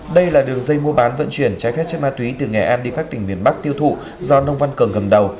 đây là đường dây mua bán vận chuyển trái phép chất ma túy từ nghệ an đi các tỉnh miền bắc tiêu thụ do nông văn cường cầm đầu